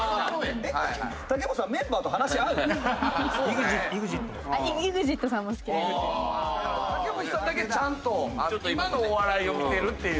武元さんだけちゃんと今のお笑いを見てるっていう。